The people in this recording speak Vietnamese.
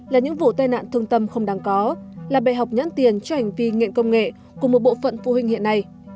là những vụ tai nạn thương tâm không đáng có là bệ học nhãn tiền cho hành vi nghiện công nghệ của một bộ phận phụ huynh hiện nay